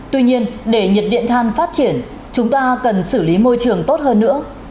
tuy nhiên để nhiệt điện than phát triển chúng ta cần xử lý môi trường tốt hơn nữa